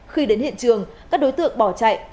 khi đến hiện trường các đối tượng bỏ chạy